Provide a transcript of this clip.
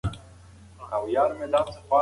هغوی د یوې علمي پروژې په سر کار کوي.